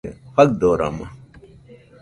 Faɨdorama